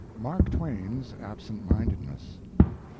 MARK TWAIN's ABSENT MINDEDNESS.